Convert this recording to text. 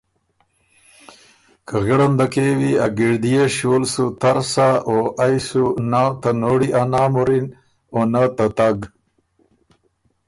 که غِړنده کېوی ا ګړديې شیو ل سُو تر سۀ او ائ سُو نۀ ته نوړی ا نام وُرِّن او نۀ ته تګ۔